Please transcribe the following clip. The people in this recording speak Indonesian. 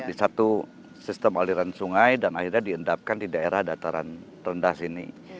di satu sistem aliran sungai dan akhirnya diendapkan di daerah dataran rendah sini